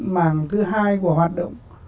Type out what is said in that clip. mảng thứ hai của hoạt động